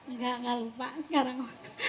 enggak enggak lupa sekarang